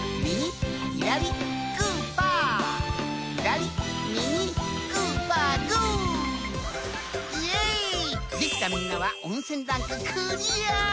イエーイできたみんなはおんせんランククリア！